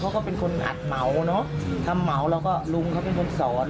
เขาก็เป็นคนอัดเหมาเนอะทำเหมาแล้วก็ลุงเขาเป็นคนสอน